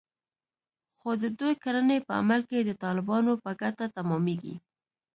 خو د دوی کړنې په عمل کې د طالبانو په ګټه تمامېږي